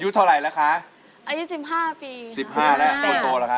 นี่ครอบครัวคุณจริงหรือเปล่า